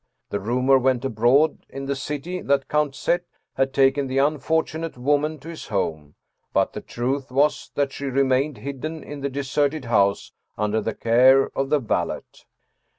The rumor went abroad in the city that Count Z. had taken the unfortunate woman to his home ; but the truth was that she remained hidden in the deserted house under the care of the valet.